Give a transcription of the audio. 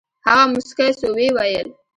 هغه موسكى سو ويې ويل.